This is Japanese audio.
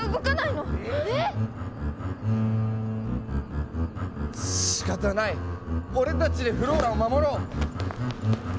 えっ⁉しかたない俺たちでフローラを守ろう！